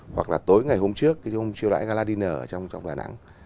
hoặc là tối ngày hôm trước khi ông chiêu đoại galadiner trong đà nẵng